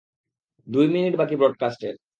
দুই মিনিট বাকি ব্রডকাস্টের।